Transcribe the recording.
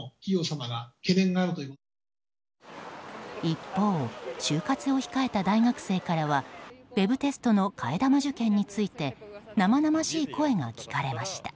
一方就活を控えた大学生からはウェブテストの替え玉受験について生々しい声が聞かれました。